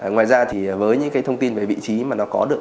ngoài ra thì với những cái thông tin về vị trí mà nó có được